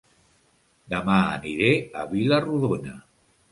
Dema aniré a Vila-rodona